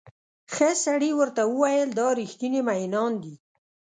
ښه سړي ورته وویل دا ریښتیني مئینان دي.